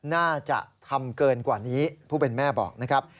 น่าจะทำเกินกว่านี้ผู้เป็นแม่บอกนะครับ